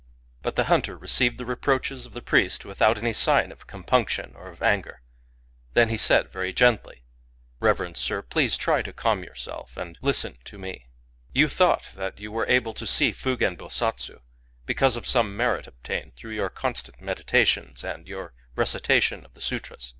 But the hunter received the reproaches of the priest without any sign of compunction or of anger. Then he said, very gendy: —" Reverend sir, please try to calm yourself, and Digitized by Googk COMMON SENSE 25 listen to me. You thought that you were able to see Fugen Bosatsu because of some merit ob tained through your constant meditations and your recitation of the sutras.